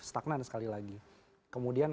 stagnan sekali lagi kemudian